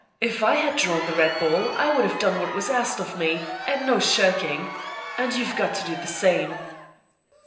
If I had drawn the red ball I would have done what was asked of me, and no shirking and you've got to do the same."